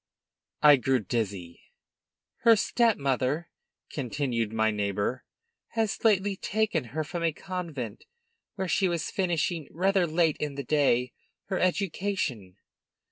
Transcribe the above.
I grew dizzy. "Her step mother," continued my neighbor, "has lately taken her from a convent, where she was finishing, rather late in the day, her education.